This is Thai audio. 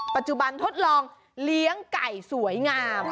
ปัจจุบันทดลองเลี้ยงไก่สวยงาม